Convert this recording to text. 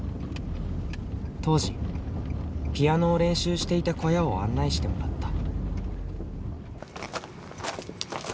当時ピアノを練習していた小屋を案内してもらった。